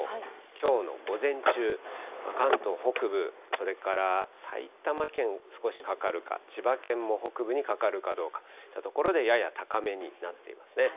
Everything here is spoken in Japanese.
きょうの午前中、関東北部、それから埼玉県、少しかかるか、千葉県も北部にかかるかどうかというところでやや高めになっていますね。